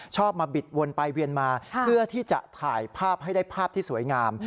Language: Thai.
ชอบมาบิดวนไปเวียนมาเพื่อที่จะถ่ายภาพให้ได้ภาพที่สวยงาม